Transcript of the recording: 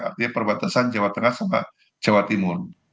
artinya perbatasan jawa tengah sama jawa timur